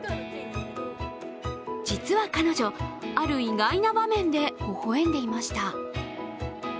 実は彼女、ある意外な場面でほほ笑んでいました。